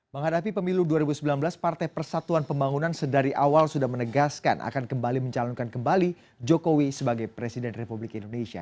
menghadapi pemilu dua ribu sembilan belas partai persatuan pembangunan sedari awal sudah menegaskan akan kembali mencalonkan kembali jokowi sebagai presiden republik indonesia